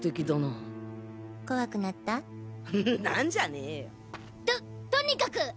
んなんじゃねよ！ととにかく！